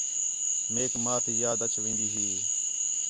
میک ماں تی یاد اَچ وین٘دی ہی